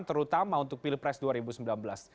terutama untuk pilpres yang dihitung oleh kpu